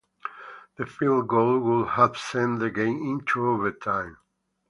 The field goal would have sent the game into overtime.